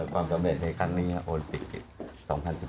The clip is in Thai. ความสำเร็จในครั้งนี้โอนติกศิษย์๒๐๑๖